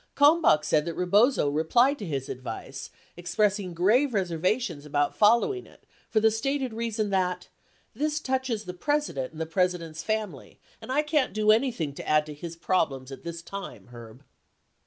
Kalmbach said that Rebozo replied to his advice, express ing grave reservations about following it for the stated reason that, "This touches the President and the President's family and I can't do anything to add to his problems at this time, Herb."